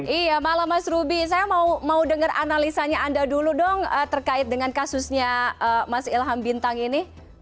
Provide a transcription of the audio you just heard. iya malam mas ruby saya mau dengar analisanya anda dulu dong terkait dengan kasusnya mas ilham bintang ini